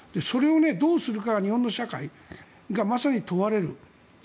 それをどうするかは日本の社会がまさに問われる。